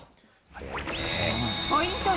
ポイント